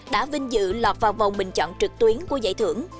đã vinh dự lọt vào vòng bình chọn trực tuyến của giải thưởng